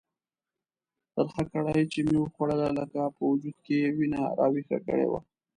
ترخه کړایي چې مې وخوړله لکه په وجود کې یې وینه راویښه کړې وه.